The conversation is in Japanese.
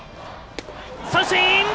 三振！